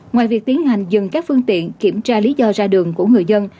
ngoài việc tiến hành dừng các phương tiện kiểm tra lý do ra đường của người dân